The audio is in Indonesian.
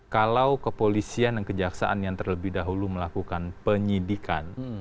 kalau kepolisian dan kejaksaan yang terlebih dahulu melakukan penyidikan